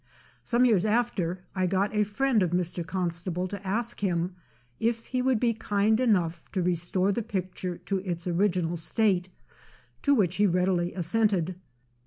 Some years after, I got a friend of Mr. Constable to ask him, if he would be kind enough to restore the picture to its original state, to which he readily assented.